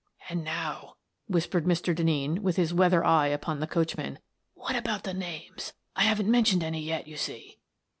"And now," whispered Mr. Denneen, with his weather eye upon the coachman, " what about the names? I haven't mentioned any yet, you see."